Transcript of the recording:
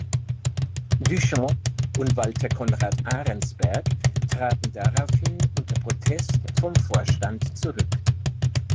Duchamp und Walter Conrad Arensberg traten daraufhin unter Protest vom Vorstand zurück.